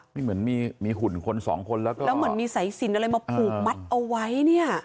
นี่เหมือนมีหุ่นคนสองคนแล้วก็แล้วเหมือนมีสายสินอะไรมาผูกมัดเอาไว้เนี่ย